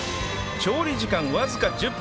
調理時間わずか１０分